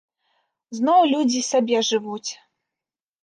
Зноў людзі сабе жывуць.